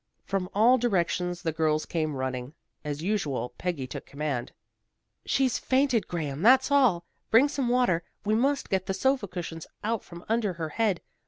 From all directions the girls came running. As usual, Peggy took command. "She's fainted, Graham, that's all. Bring some water. We must get the sofa cushions out from under her head.